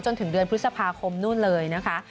จนถึงเดือนพฤษภาคมนู่นเลยนะคะ